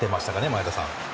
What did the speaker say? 前田さん。